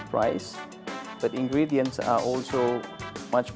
tapi bahan bahan juga sangat mahal